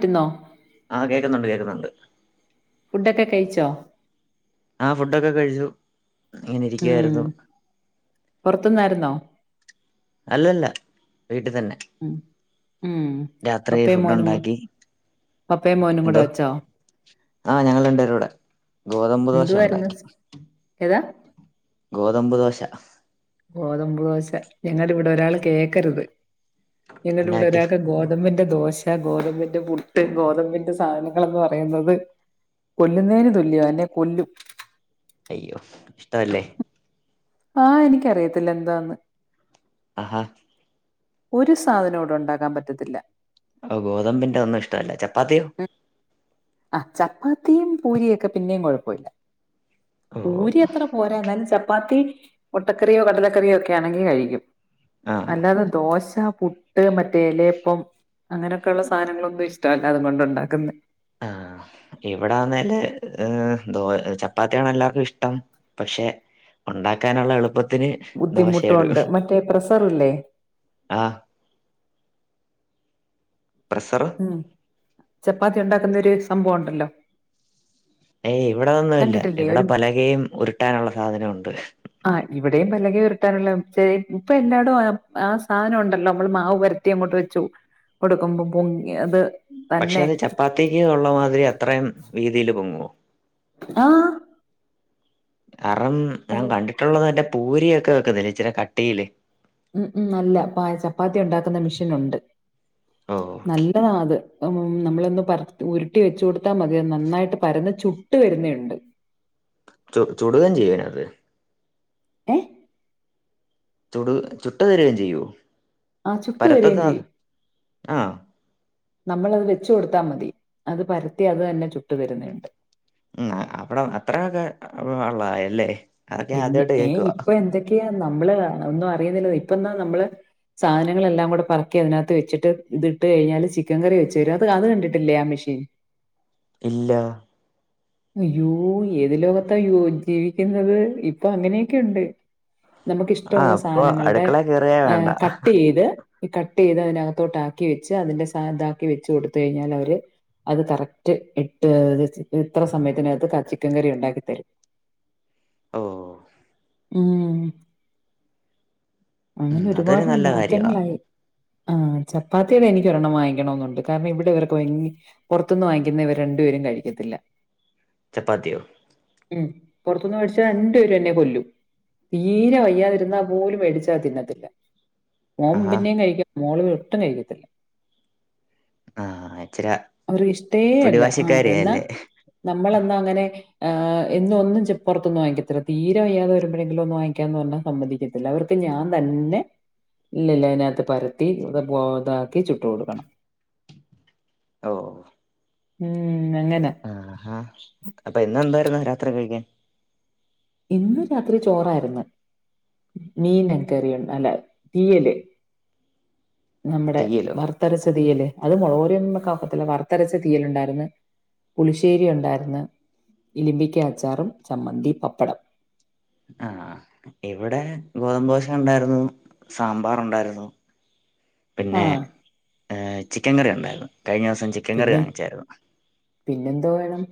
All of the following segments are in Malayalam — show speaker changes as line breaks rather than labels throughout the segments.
പിന്നോ
ആഹ് കേക്കുന്നുണ്ട് കേക്കുന്നുണ്ട്
ഫുഡൊക്കെ കഴിച്ചോ
ആ ഫുഡൊക്കെ കഴിച്ചു ഇങ്ങനെ
ഉം
ഇരിക്കുവായിരുന്നു
പൊറത്ത്ന്നായിരുന്നോ
അല്ലല്ല വീട്ടിൽ തന്നെ
ഉം ഉം
രാത്രി
പപ്പയും
ഫുഡ്‌
മോനും കൂ
ഉണ്ടാക്കി
പപ്പയും മോനും കൂടെ
എന്തോ
വെച്ചോ
ആഹ് ഞങ്ങള് രണ്ടുപേരും ഇവിടെ ഗോതമ്പ് ദോശ
എന്തുവായിരുന്നു
ഉണ്ടാക്കി.
ഏതാ
ഗോതമ്പ് ദോശ
ഗോതമ്പ് ദോശ ഞങ്ങടെ ഇവിടെ ഒരാള് കേക്കരുത്. ഞങ്ങളുടെ
എന്നാ
ഇവിടെ
പറ്റി
ഒരാൾക്ക് ഗോതമ്പിന്. ദോശ ഗോതമ്പിന്റെ പുട്ട് ഗോതമ്പിന്റെ സാധനങ്ങളെയൊന്നു പറയുന്നത്, കൊല്ലുന്നതിന് തുല്യയാണ് എന്നെ കൊല്ലും.
അയ്യോ ഇഷ്ടമല്ലേ.
ആഹ് എനിക്കറിയത്തില്ല എന്താന്ന്.
ആഹാ
ഒരു സാധനവും ഇവിടെ ഉണ്ടാക്കാൻ പറ്റത്തില്ല.
ഓ ഗോതമ്പിന്റെ ഒന്നും ഇഷ്ടല്ല ച പ്പാത്തിയോ.
ഉം ആ ചപ്പാത്തിയും പൂരിയൊക്കെ പിന്നേം കുഴപ്പമില്ല
ഓ
പൂരി അത്ര പോരാ എന്നാലും ച ചപ്പാത്തി മുട്ടക്കറിയോ കടലക്കറിയോ ഒക്കെയാണെങ്കി കഴിക്കും
ആഹ്
അല്ലാതെ ദോശ പുട്ട് മറ്റേ ഇല അപ്പം അങ്ങനെയൊക്കെയുള്ള സാധനങ്ങള് ഉപേക്ഷി ഇഷ്ടമല്ല അതുകൊണ്ടുണ്ടാക്കുന്നെ
അ ഇവിടാന്നേല് എ എന്തുവാ ചപ്പാത്തിയാണെല്ലാർക്കും ഇഷ്ടം പക്ഷെ ഉണ്ടാക്കാനുള്ള എളുപ്പ
ബുദ്ധിമുട്ടുകൊണ്ട് മറ്റേ പ്രസ്സറില്ലേ
ആഹ് പ്രസ്സറ്
ഉം ചപ്പാത്തി ഉണ്ടാക്കുന്നൊരു സംഭവൊണ്ടല്ലോ
ഏയ് ഇവിടതോന്നുവില്ല ഇവിടെ പലകേം ഉരുട്ടാനുള്ള സാധനൊണ്ട്
ട്ടാനുള്ള ചെ ഇപ്പൊ എല്ലാടോം ആ ആ സാനം ഒണ്ടല്ലോ നമ്മള് മാവ് പരത്തി അങ്ങോട്ട് വെച്ചു കൊടുക്കുമ്പോ പൊങ്ങി അത്
പക്ഷെ
തന്നെ
അത് ചപ്പാത്തിക്ക് ഉള്ള മാതിരി അത്രേം ഇ തില് പൊങ്ങുവോ
ആം
കാരണം ഞാൻ കണ്ടിട്ടുള്ളതെന്റെ പൂരിയൊക്കെ വെക്കുന്നില്ലേ ഇച്ചിര കട്ടിയില്
ഉം ഉം അല്ല പ ചപ്പാത്തിയൊണ്ടാക്കുന്ന മിഷൻ ഉണ്ട്.
ഓ ഓക്കെ
നല്ലതാ അത് ഉം നമ്മളൊന്ന് പര ഉരുട്ടി വെച്ച് കൊടുത്താൽ മതി നന്നായിട്ട് പരന്ന് ചുട്ട് വരുന്ന ഒണ്ട്.
ചു ചുടുകേം ചെയ്യേ അത്.
ഏ
ചുടു ചുട്ട് തരികെ ചെയോ.
ആ ചുട്ട് വരികയും ചെയ്യും.
ആ,
നമ്മളത് വെച്ച് കൊടുത്താമതി അത് പരത്തി അത് തന്നെ ചുട്ടു തരുന്നയൊണ്ട്
ഉം അവിടെ അത്രയൊക്കെ ഒള്ളതായി ഇല്ലേ
പിന്നെ ഏ ഇപ്പ എന്തൊക്കെയാ നമ്മള് ഒന്നും അറിയുന്നില്ലന്നേ ഇപ്പ എന്നാ നമ്മള് സാധനങ്ങളെല്ലാം കൂടെ പറക്കി അതിനകത്ത് വെച്ചിട്ട് ഇത് ഇട്ട് കഴിഞ്ഞാല് ചിക്കൻ കറി വെച്ചു തരും അതു അത് കണ്ടിട്ടില്ലേ ആ മെഷീൻ
ഇല്ലാ
അയ്യോ ഏത് ലോകത്തായോ ജീവിക്കുന്നത് ഇപ്പൊ അങ്ങനെയൊക്കെയുണ്ട്
ആ
നമുക്കിഷ്ടഒള്ള
അപ്പൊ
സാധനങ്ങൾടെ
അടുക്കള കയറിയേ
ഏ
വേണ്ട
കട്ട് ചെയ്ത് ഈ കട്ട് ചെയ്ത് അതിനകത്തോട്ട് ആക്കി വെച്ച് അതിന്റെ സാ ദാക്കി വെച്ച് കൊടുത്ത് കഴിഞ്ഞാൽ അവര് അത് കറക്റ്റ് ഇട്ട് [unintelligible] ഇത്ര സമയത്തിനകത്ത് ക ചിക്കൻ കറി ഉണ്ടാക്കിത്തരും
ഓ
ഉം അങ്ങനെ
ഉം അതൊരു
ഒരുപാട്
നല്ല കാര്യവാ
മാറ്റങ്ങളായി ആ ചപ്പാത്തീടെ എനിക്കൊരെണ്ണം വാങ്ങിക്കണന്നുണ്ട് കാരണം ഇവിടെ ഇവർക്ക് ഭയങ്കര പുറത്തുനിന്ന് വാങ്ങിക്കുന്നെ ഇവര് രണ്ടു പേരും കഴിക്കത്തില്ല
ചപ്പാത്തിയോ
ഉം പൊറത്തന്ന് മേടിച്ചാ രണ്ട് പേരുംന്നെ കൊല്ലും തീരെ വയ്യാതിരുന്നാ പോലും മേടിച്ചാ തിന്നത്തില്ല മോം
ആഹാ
പിന്നേം കഴിക്കു മോള് വ്ട്ടും കഴിക്കത്തില്ല
ആഹ് ഇച്ചിര
അവർക്ക്
പിടിവാശിക്കാരിയാ ല്ലേ
നമ്മളെന്നാങ്ങനെ ആ എന്നുവൊന്നുംച് പൊറത്തൂന്ന് വാങ്ങിക്കത്തില്ല തീരെ വയ്യാതെ വരുമ്പഴെങ്കിലും ഒന്ന് വാങ്ങിക്കാന്ന് പറഞ്ഞാൽ സമ്മതിക്കത്തില്ല അവർക്ക് ഞാന്തെന്നെ [unintelligible] പരത്തി ബോതാക്കി ചുട്ടു കൊടുക്കണം
ഓ
ഉം അങ്ങനാ
ആഹ് അപ്പൊ ഇന്നെന്താ [unintelligible] രാത്രി കഴിക്കാൻ
ഇന്ന് രാത്രി ചോറാര്ന്ന് മീന്ക്കറിയൊൺ അല്ല തീയല് നമ്മടെ
തീയലോ
വറുത്തരച്ച തീയല് അത് മുളക്പൊടിയൊന്നുവെക്കാഒക്കത്തില്ല വറുത്തരച്ച തീയല്ണ്ടാര്ന്ന് പുളിശ്ശേരി ഒണ്ടാര്ന്ന് ഇലിമ്പിക്ക അച്ചാറും ചമ്മന്തീം പപ് പ്പടം
ആഹ് ഇവിടെ ഗോതമ്പോശ ഒണ്ടാര്ന്നു സാമ്പാറൊണ്ടാര്ന്നു പിന്നെ
ആഹ്
ഏഹ് ചിക്കൻ കറി ഒണ്ടാര് കഴിഞ്ഞ ദിവസം ചിക്കൻ കറി
പിന്നെ
വാങ്ങിച്ചാരുന്നു
പിന്നെന്തോ വേണം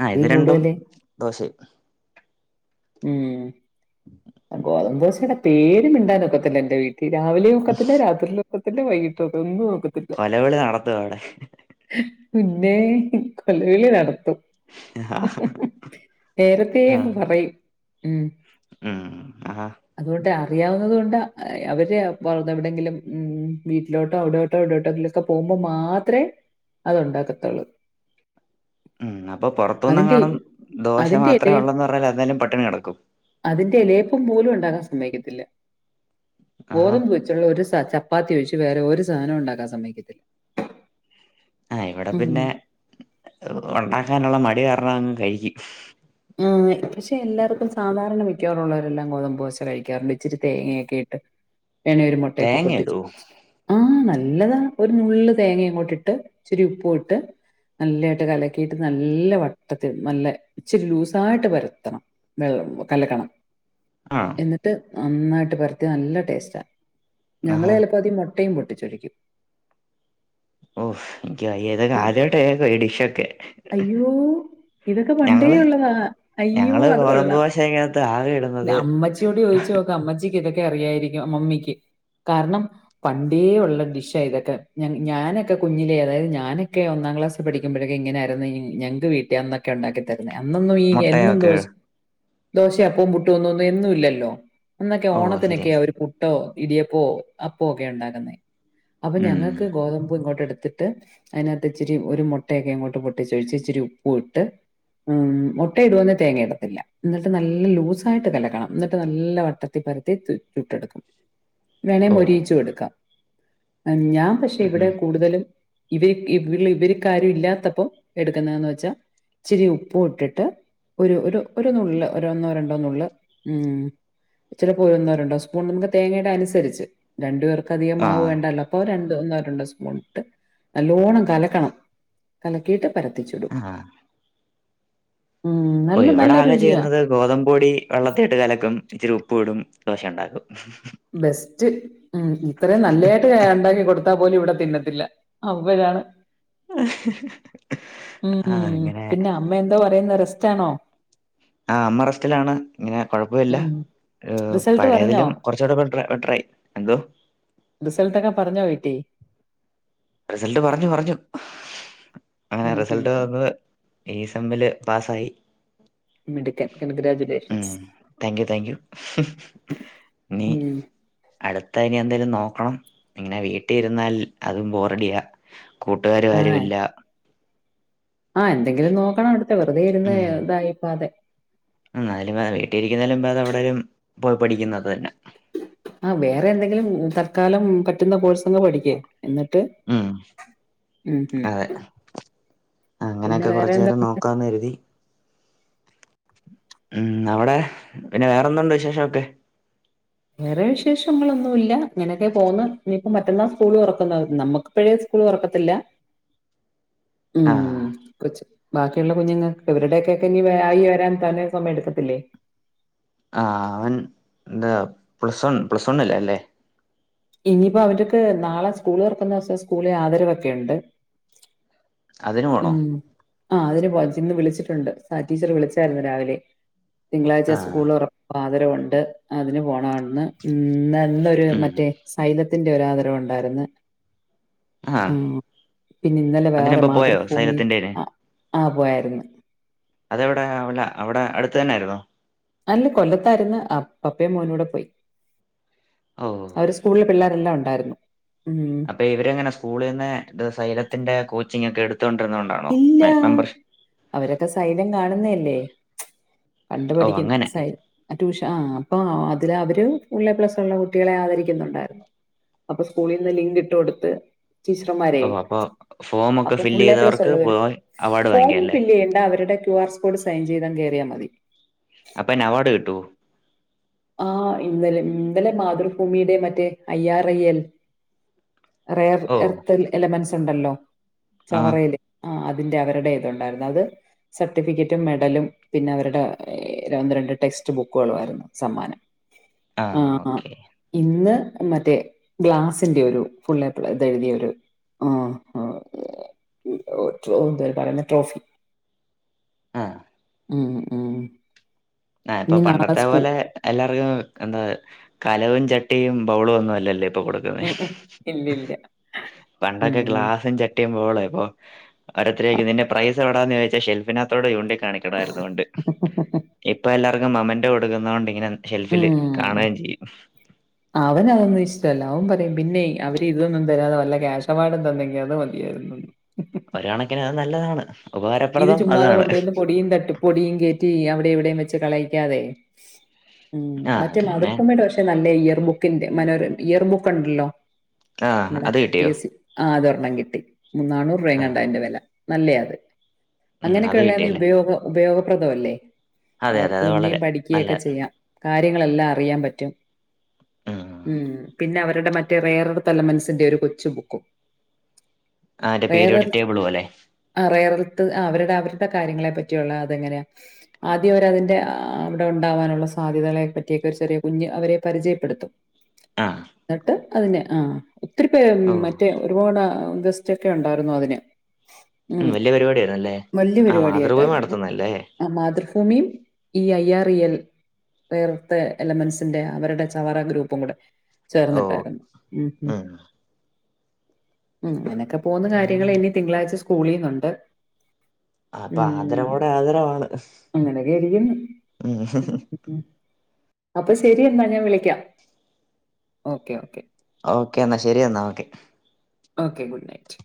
ആ
ഇതീ
ഇത് രണ്ടും
കൂടുതല്
ദോശേം
ഉം ഗോതമ്പോശടെ പേര് മിണ്ടാനൊക്കത്തില്ല എന്റെ വീട്ട് രാവിലെയും ഒക്കത്തില്ല രാത്രിലും ഒക്കത് തന്നെ വൈകിട്ടോക്കെ ഒന്ന്
കൊലവിളി നടത്തും അവിടെ
പിന്നേ കൊലവിളി നടത്തും. നേരത്തേ അങ്ങ് പറയും ഉം
ഉം ആഹാ
അതുകൊണ്ട് ആ അറിയാവുന്നത് കൊണ്ട് ആഹ് അവര് പൊറത്ത് എവിടെങ്കിലും ഉം വീട്ടിലോട്ടോ അവിടെട്ടോ ഇവിഡോട്ടെങ്കിലും ഒക്കെ പോകുമ്പോ മാത്രമേ അത് ഒണ്ടാക്കത്തുള്ളു
ഉം അപ്പൊ പൊറത്തൂന്നെങ്ങാണം ദോശ
അതിന്റെ
മാത്രെ
എലെ
ഒള്ളന്ന് പറഞ്ഞാല് അന്നേലും പട്ടിണി കെടക്കും
എലേപ്പും പോലും ൺ ണ്ടാകാൻ സമ്മയ്ക്കത്തില്ല
ആഹാ
ഗോദമ്പ് വെച്ചുള്ള ഒരു സാദ് ചപ്പാത്തി ഒഴിച്ച് വേറെ ഒരു സാനോം ഒണ്ടാക്കാൻ സമ്മയ്ക്കത്തില്ല [unintelligible]
ആഹ് ഇവിടെ പിന്നെ ഉണ്ടാക്കാനുള്ള. മടി ടി കാരണം അങ്ങ് കയിക്കും
മ് പശെ എല്ലാർകുംസാമ്പാറെന്നെ മിക്കവാറുള്ളോരെല്ലം ഗോതമ്പ് ദേശ കൈകാറ്ണ്ട് ഇചിരി തേങ്ങയൊകിട്ട് വേണേൽ ഒര് മുട്ടയൊകെ
തേങ്ങ
പൊട്ടിച്
ഇടുവോ
ഒഴിച്ച് മ് നല്ല നല്ലതാ ഒരു നുള്ള് തേങ്ങ അങ്ങോട്ട് ട് ഇചിരി ഉപും ട് നല്ലായിട്ട് കലകിട്ട് നല്ല വട്ടതിൽ നല്ല ഇച്ചിരി ലൂസായിട് പരത്തണം കലകണം
ആണോ
എന്നിട്ട് നന്നായിട്ട് പരത്തി നല്ല ടേസ്റ്റാ ഞങ്ങൾ
ആഹാ
ചില പം അതി മൊ ട്ടയും പൊട്ടിച്ചൊഴിക്കും
ഓ എനിക്ക് വയ്യ ഇതൊകെ
ആഹ്
ആദ്യായിട്ട് കേകാ ഈ ടിശ്വകെ
അയ്യോ ഇതൊക്കെ പണ്ടേ ഉള്ളതാ അയ്യോ
ഞങ്ങള്
അത്
ഗോതമ്പ്
കൊള്ളാം
ദോശക്കകത്ത് ആകെ ഇടുന്നത്
അമ്മചിയോട് ചോദിചോക് അമ്മചി ഇതൊക്കെ അറിയായിരിക്കും മമ്മിക്ക് കാരണംപണ്ടേ ഉള്ള ടിശാ ഇതൊകെ ഞാനൊകെ കുഞ്ഞിലേ ഞാനൊകെ ഒന്നാം ക്ളാസി പടികുംബ ഇങ്ങനാ ഞങ്ങക്ക് വീട്ടിൽ വന്നാ ഉണ്ടാകി തര അന്നൊന്നും ഈ എന്നും
മുട്ടയൊക്കെ
ദോശ് ദോശ അപ്പും പുട്ടൊന്നും എന്നുല്ലല്ലോ അന്നൊക്കെ
ഓഹ് ശരിയാ
ഓണത്തിനൊക്കെയാ ഒരു
ശരി
പുട്ടോ ഇടിയപ്പോ അപ്പോ ഒക്കെ ഉണ്ടാക്കുന്നേ അപ്പൊ
ഉം
ഞങ്ങക്ക് ഗോതമ്പ് ഇങ്ങോട്ടെട് ത്തിട്ട് അതിനത്ത് ഇച്ചിരി ഒരു മുട്ടയൊക്കെ പൊ ട്ടിച്ചൊഴിച്ചു ചിരി ഉപ്പും ഇട്ട് മുട്ട ഇടുന്നോണ്ട് തേങ്ങ ഇടതില്ല ന്നിട്ട് നല്ല ലൂസായിട്ട് കലകണം ന്നിട്ട് നല്ല വട്ടതിൽ പരതി ചുട്ടെട്കാ വേണെ
ഓഹ്
മൊരിയിച്ചു എടുക്കാ ഞാൻ പശെ
ഉം
ഇവിടെ കൂടുതലും ഇവര്ക് ഇവിടെ വീട്ടിൽ ആരും ഇല്ലാതപം എടുക്കുന്നതന്ന് വെച്ചാൽ ഇചിരി ഉപ്പും ഇട്ടിട്ട് ഒരു ഒരു ഒരു നുള് ഒന്നോ രണ്ടോ നുള്ള് ഉം ഇചിരി ഒന്നോ രണ്ടോ സ്പൂൺ നമക് തേങ്ങയ്ടെ അന്സരിച് രണ്ട് പേർ അധികം
ആഹ്
മാവുവേണ്ടല്ലോ അപ്പൊ ര ണ്ട് ഒന്നോ രണ്ടോ സ്പൂൺ ഇട്ട് നല്ലോണം കലക്കണം. കല കിട്ടെ പര ത്തി ചൂടും
ഓ ഇവിടെ ആകെ
രുചിയാ
ചെയ്യുന്നത് ഗോതമ്പുപൊടി വെള്ളത്തിട്ട് കലക്കും, ഇച്ചിരി ഉ പ്പിടും ദോശ ഉണ്ടാക്കും
ബെസ്റ്റ് ഉം ഇത്റേം നല്ലായിട്ട് ഉണ്ടാകി കൊടു ടുത്ത പോലും ഇവിടെ തിന്നത്തില്ല അവരാണ് ഉം
ആഹ്
ഉം
ഇങ്ങനെ
പിന്നെ അമ്മ എന്തോ പറയു പറയുന്നു റെസ്റ്റ് ആണോ.
ആഹ് അമ്മ റസ്റ്റിലാണ് ഇങ്ങനെ കൊഴപ്പമില്ല
ഉം
ഏർ
റിസൾട്ട് പറഞ്ഞോ
പഴയതിലും കുറച്ചു കൂടി ബെറ്റർ ആയി എന്തോ
റിസൾട്ട് ഒക്കെ പറഞ്ഞോ വീട്ടി
റിസൾട്ട് പറഞ്ഞു പറഞ്ഞു. അങ്ങനെ
ഉം ഉം
റിസൾട്ട്
ഉം.
വന്നു ഈ സെമ്മില് പാസ്സായി
മിടുക്കൻ കൺഗ്രാചുലേഷൻസ്
ഉം താങ്ക് യു താങ്ക് യു നീ
ഉം
അടു ത്തെ ഇനി എന്തേലും നോക്കണം ഇങ്ങനെ വീട്ടിൽ ഇരുന്നാൽ അതും ബോർ വയ്യ. കൂട്ടുകാര് ആരു ഇല്ല.
ആഹ് എന്തെങ്കിലും നോക്കണം അവിടുത്തെ വെറുതെ ഇരുന്ന് ഇതായിപ്പോവാതെ.
ഉം അതിലും ഭേദം വീട്ടിലിരിക്കുന്നതിലും ഭേദം അത് എവിടൊലും പോയി പഠിക്കുന്ന അത് തന്നെ.
ആഹ് വേറെ എന്തെങ്കിലും തത്ക്കാലം പറ്റുന്ന കോഴ്സ് പഠിക്ക
മ്
ഉം.
അതെ
പിന്നെ
അങ്ങനെയൊക്കെ
വേറെ
കുറച്ചു
എന്താ
നേരം നോക്കാന്ന് കരുതി. മ് അവിടെ പിന്നെ വേറെ എന്തോ ഉണ്ട് വിശേഷം ഒക്കെ
വേറെ വിശേഷങ്ങളൊന്നും ഇല്ല ഇങ്ങനെയൊക്കെ പോന്ന് ഇനിയിപ്പോ മറ്റന്നാ സ്കൂൾ തുറക്കുന്നു നമ്മുക്ക്പ്പഴേ സ്കൂൾ തുറക്കത്തില്ല.
ആഹ്
മ് കൊച്ചു. ബാക്കിയുള്ള കുഞ്ഞുങ്ങൾക്ക് ഇവരുടെയൊക്കെ ഇനി ആയി വരാൻ തന്നെ സമയം എടുക്കത്തില്ലേ.
ആഹ് അവൻ എന്താ പ്ലസ് വൺ പ്ലസ് വണ്ണിൽ അല്ലേ.
ഇനിയിപ്പോ അവന്റെ അടുത്ത് നാളെ സ്കൂള് തുറക്കുന്ന ദിവസം സ്കൂളിൽ ആദരവൊക്കെയുണ്ട്.
അതിനു പോണോ
ആ അതിന് പോം ഇന്ന് വിളിച്ചിട്ടൊണ്ട് സാലി ടീച്ചറ് വിളിച്ചാരുന്നു രാവിലെ തിങ്കളാഴ്ച
ആഹ്
സ്കൂള് തൊറപ്പ് ആദരവ്‌ ഒണ്ട് അതിന് പോണെന്ന് ഇ ന്നൊരു
ഉം
മറ്റേ സൈ ത്തിന്റെ ഒരു ആദരവ് ഒണ്ടാരുന്ന്
ആഹ്
ആഹ്‌ പിന്നെ ഇന്നലെ വേറെ മാതൃം
സൈലത്തിൻറ്റെന്ന്
ആ പോയാരുന്നു
അതെവിടാ അവല അവിടെ അടുത്തന്നരുന്നോ
അല്ല കൊല്ലത്തായിരുന്ന് പപ്പേം മോനൂടെ പോയി
ഓഹ്
അവര് സ്കൂളില് പിള്ളേ എല്ലാം ഒണ്ടാരുന്നു
അപ്പൊ ഇവരെങ്ങനെ സ്കൂളിന്നെ സൈലത്തിന്റെ കോച്ചിങ് ഒക്കെ എടുക്ക
ഇല്ല അവരൊക്കെ സൈലം കാണുന്നയല്ലേ കണ്ട്
ഓ
പഠിക്കുന്നെ
അങ്ങനെ
സൈ ട്യൂഷ ആ അപ്പ അതില് അവര് ഫുൾ എ പ്ലസ് ഒള്ള കുട്ടികളെ ആദരിക്കുന്നോണ്ടാരുന്നു അപ്പൊ സ്കൂളിന്ന് ലിങ്ക് ഇട്ട് കൊടുത്ത് ടീച്ചർമാരെ
ഓ അപ്പൊ ഫോം ഒക്കെ
അപ്പൊ
ഫില്ല്
ഫുൾ എ പ്ലസ്
ചെയ്തവർക്ക്
ഉള്ളവർ
പോയി അവാർഡ്
ഫോം
വാങ്ങിക്കാം അല്ലേ
ഫില്ല് ചെയ്യണ്ട അവരുടെ ക്യു ആർ കോഡ് സൈൻ ചെയ്തങ്ങ് കയറിയാ മതി.
അപ്പ ന്നെ അവാർഡ് കിട്ടോ
ആ ഇന്നലെ ഇന്നലെ മാതൃഭൂമിയുടെ മറ്റേ I R I L rare
ഓ
എർത്തൽ ഇലമൻസ് ണ്ടല്ലോ
ആ
ചവറയിലേ ആ അതിന്റെ അവരുടെതുണ്ടായിരുന്നു അത് സർട്ടിഫിക്കറ്റും മെഡലും പിന്നെ അവരുടെ ഒന്ന് രണ്ട് ടെക്സ്റ്റ് ബുക്കുകളും ആയിരുന്നു. സമ്മാനം ആ ആ ഇന്ന് മറ്റേ ഗ്ലാസിന്റെ ഒരു ഫുൾ എ പ്ലെ എഴുതിയ ഒരു ആ ആ പറയുന്ന ട്രോഫി
ആ
ഉം ഉം
ഏ ഇപ്പൊ
ഇനി നാളെ
പണ്ടത്തെ
സ്കൂ
പോലെ എല്ലാർക്കും ന്താ കലവും ചട്ടിയും ബൗളും ഒന്നും അല്ലല്ലേ കൊടുക്കുന്നേ
ഉം ഉം ഇല്ലില്ല ഉം
പണ്ടൊക്കെ ഗ്ലാസും ചട്ടിയും ബൌ ഒ അവരത്രെ നിന്റെ പ്രൈസ് എവിടാന്ന് ചോയിച്ച ഷെൽഫിനകത്തോട് ചൂണ്ടി കാണിക്കണായിരുന്നു പണ്ട് ഇപ്പ എല്ലാർക്കും മമന്റൊ കൊടുക്കുന്നോണ്ട് ഇങ്ങനെ ഷെൽഫില്
ഉം
കാണ്എയും ചെയ്യും
അഉം പറയും പിന്നെ അവര് ഇതൊന്നും തരാതെ വല്ല കേശ അവാഡ് തന്നങ്കി അത് മതിയായിരുന്നു.
ഒരാണക്കിനാ നല്ലതാണ്
ഇത്
ഉപകാരപ്രദം
ചുമ്മാതെ
അതാണ്
കൊണ്ടുവന്ന് പൊടിയും തട്ടി പൊടിയും കേറ്റി അവ എവിടെയും വെച്ച് കളയിക്കാതെ ഉം
ആഹ്
മറ്റേ
അത് തന്നെ
മാതൃഭൂമീടെ പക്ഷെ നല്ല ഇയർ ബുക്കിന്റെ മനോര ഇയർബുക്കുണ്ടല്ലോ
ആഹ്
നമ്മടെ
അത്
പി
കിട്ടിയോ
എസ് സി ആ അത രെണ്ണം കിട്ടി മൂ നാണൂറ് രൂപേങ്ങാണ്ടാ
ആഹ്
അയിന്റെ വെല നല്ലയാ അത്
ഉം
അങ്ങനെയൊക്കെ
അത്
ഉള്ളയാന്നേ
കിട്ടിയല്ലേ
ഉപയോഗം ഉപയോഗം പ്രദ അല്ലേ
അതെ അതെ
അവർക്
അത്
പിന്നേം
വളരെ നല്ല
പഠിക്ക്യേക്ക ചെയ്യാം കാര്യങ്ങളെല്ലാം അറിയാൻ പറ്റും ഉം പിന്നെ അവരുടെ മറ്റേ റേറൊരുത്തലമൻസിൻ്റെ ഒരു കൊച്ചു ബുക്കും
ആഹ് മറ്റേ
വേറൽ
പീരിയോഡിക് ടേബിൾ പോലെ
ആ റേറൽ ത് ആ അവര്ടെ അവര്ടെ കാര്യങ്ങളെ പറ്റിയൊള്ള അതെങ്ങനെയാ ആദ്യം അവരതിന്റെ അവിടെ ഉണ്ടാവാനുള്ള സാധ്യതകളെ പറ്റിയൊക്കെ ഒരു ചെറിയ കുഞ്ഞ് അവരെ പരിചയപ്പെടുത്തും
ആഹ്
ന്നട്ട് അതിനെ ആ ഒത്തിരി പേർ
ഓ
മറ്റേ ഒരുപാട് ആ ഗസ്റ്റൊക്കെ ഒണ്ടായിറുന്നു അതിന്
ഉം വല്യ പരുപാടിയാരു
വല്യ പരിപാടിയായ്ട്ടായിരുന്നു ആ മാതൃ ഭൂമീം ഈ ഐ ആൻ ഇ എൽ വേർത്തെ എലമെൻസിന്റെ അവര്ടെ ചവറ ഗ്രൂപ്പും കൂടെ
ഓ
ചേർന്നിട്ടായിരുന്നു ഉം ഉം ഉം നെന [unintelligible] പോവ്ന്ന കാര്യങ്ങളിനി തിങ്കളാഴ്ച സ്‌ക്കൂ കൂളിന്നുണ്ട്
അപ്പൊ ആദരവോടെ ആദരവാണ്
അങ്ങനെയൊക്കെ ഇരിക്കുന്നു
ഉം
അപ്പം ശരിയെന്നാ ഞാൻ വിളിക്കാം ഓക്കെ ഓക്കെ
ഓക്കേ എന്നാ ശരി എന്നാ ഓക്കെ
ഓക്കെ ഗുഡ് നൈറ്റ്